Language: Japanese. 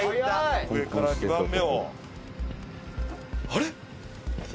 「あれ？」